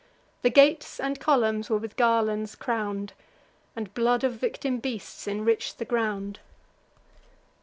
The gates and columns were with garlands crown'd, And blood of victim beasts enrich'd the ground.